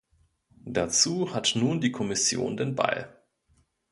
Dazu hat nun die Kommission den Ball.